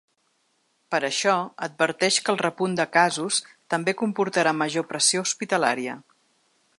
Per això, adverteix que el repunt de casos també comportarà major pressió hospitalària.